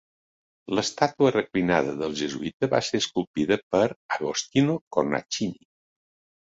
L'estàtua reclinada del jesuïta va ser esculpida per Agostino Cornacchini.